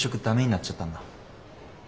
ダメになっちゃったんだ。